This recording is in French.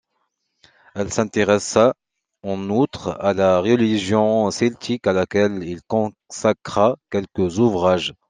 Il s'intéressa en outre à la religion celtique à laquelle il consacra quelques ouvrages.